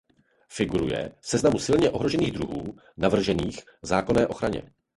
Figuruje v seznamu silně ohrožených druhů navržených k zákonné ochraně.